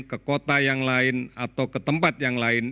ke kota yang lain atau ke tempat yang lain